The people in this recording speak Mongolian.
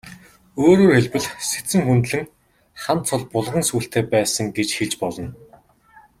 Өөрөөр хэлбэл, Сэцэн хүндлэн хан цол булган сүүлтэй байсан гэж хэлж болно.